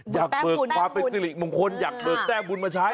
อยากเบิกความเป็นสิ่งหลีกมงคลอยากเบิกแต้งบุญมาใช้